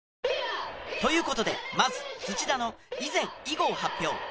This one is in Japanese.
という事でまず土田の以前以後を発表。